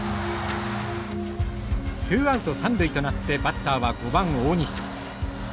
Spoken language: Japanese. ツーアウト三塁となってバッターは５番大西。